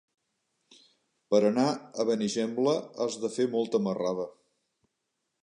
Per anar a Benigembla has de fer molta marrada.